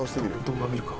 動画見るか？